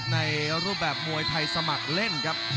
ในรูปแบบมวยไทยสมัครเล่นครับ